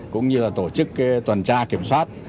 cũng như tổ chức tuần tra kiểm soát